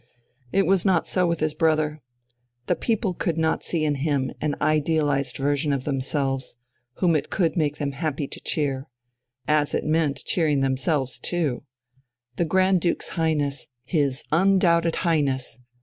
It was not so with his brother. The people could not see in him an idealized version of themselves, whom it could make them happy to cheer as it meant cheering themselves too! the Grand Duke's Highness his undoubted Highness!